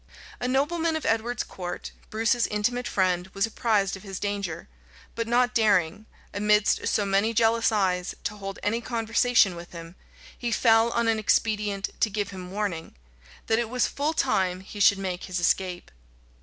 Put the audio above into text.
A nobleman of Edward's court, Bruce's intimate friend, was apprised of his danger; but not daring, amidst so many jealous eyes, to hold any conversation with him, he fell on an expedient to give him warning, that it was full time he should make his escape.